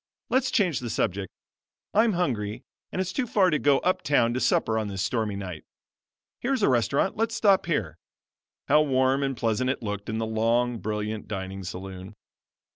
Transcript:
Let's change the subject. I'm hungry and it's too far to go up town to supper on this stormy night. Here's a restaurant: let us stop here." How warm and pleasant it looked in the long, brilliant dining saloon!